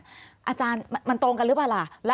อาจารย์มันตรงกันหรือเปล่าล่ะ